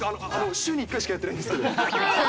週に１回しかやってないんですけど。